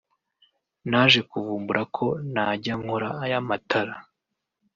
naje kuvumbura ko najya nkora aya matara